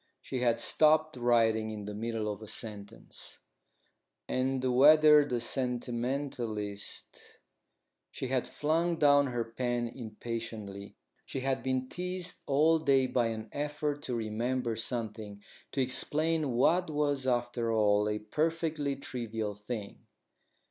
She had stopped writing in the middle of a sentence: "And, whether the sentimentalist " She had flung down her pen impatiently. She had been teased all day by an effort to remember something to explain what was after all a perfectly trivial thing.